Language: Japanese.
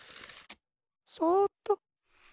そっと。